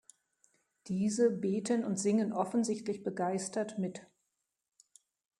Diese beten und singen offensichtlich begeistert mit.